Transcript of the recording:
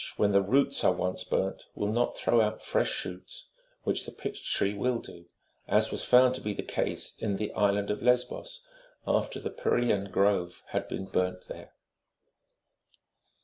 359 the roots are once burnt, will not throw out fresh shoots, which the pitch tree will do, as was found to be the case in the island of Lesbos, after the Pyrrhaean grove had been burnt there.